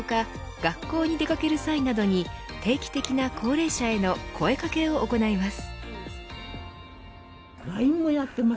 学校に出掛ける際などに定期的な高齢者への声かけを行います。